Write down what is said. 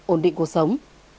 ổn định cuộc sống